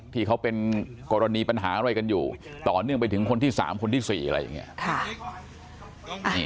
ที่เขาเป็นกรณีปัญหาอะไรกันอยู่ต่อเนื่องไปถึงคนที่๓คนที่๔อะไรอย่างนี้